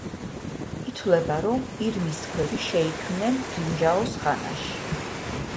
ითვლება, რომ ირმის ქვები შეიქმნენ ბრინჯაოს ხანაში.